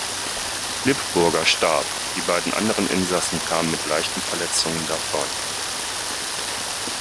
Lipburger starb, die beiden anderen Insassen kamen mit leichten Verletzungen davon.